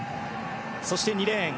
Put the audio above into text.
そして２レーン